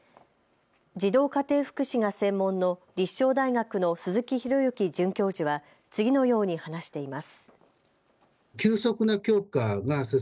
児童家庭福祉が専門の立正大学の鈴木浩之准教授は次のように話しています。